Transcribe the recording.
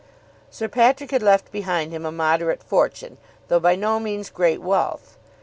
Sir Patrick had left behind him a moderate fortune, though by no means great wealth.